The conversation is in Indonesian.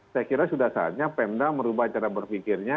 saatnya pemda merubah cara berpikirnya